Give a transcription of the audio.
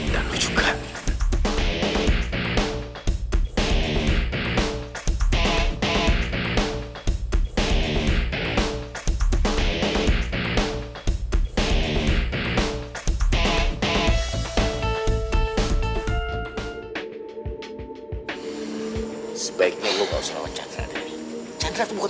dia bakal kegabung